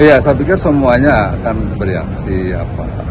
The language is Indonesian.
iya saya pikir semuanya akan beri aksi apa